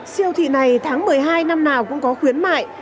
siêu thị này tháng một mươi hai năm nào cũng có khuyến mại